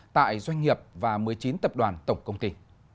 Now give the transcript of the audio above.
tại doanh nghiệp và một mươi chín tập đoàn tổng công ty